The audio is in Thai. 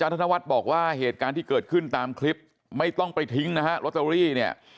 ธนวัฒน์บอกว่าเหตุการณ์ที่เกิดขึ้นตามคลิปไม่ต้องไปทิ้งนะฮะลอตเตอรี่เนี่ย